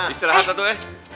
istirahatlah tuh eh